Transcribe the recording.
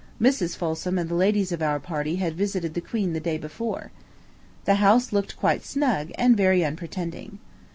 Mrs. Folsom and the ladies of our party had visited the queen the day before. The house looked quite snug, and very unpretending.